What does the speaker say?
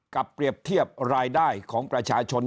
เปรียบเทียบรายได้ของประชาชน